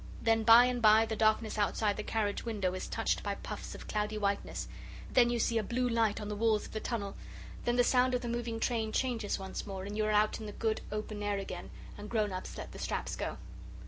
Then by and by the darkness outside the carriage window is touched by puffs of cloudy whiteness, then you see a blue light on the walls of the tunnel, then the sound of the moving train changes once more, and you are out in the good open air again, and grown ups let the straps go.